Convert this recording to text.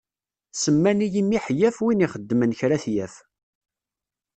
Semman-iyi Miḥyaf win ixedmen kra ad t-yaf.